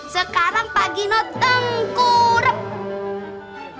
sekarang pak gino tengku rep